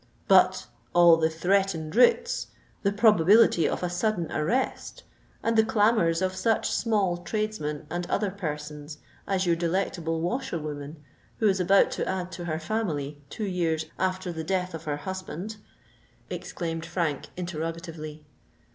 "But all the threatened writs—the probability of a sudden arrest—and the clamours of such small tradesmen or other persons as your delectable washerwoman, who is about to add to her family two years after the death of her husband?" exclaimed Frank interrogatively.